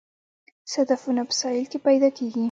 صدفونه په ساحل کې پیدا کیږي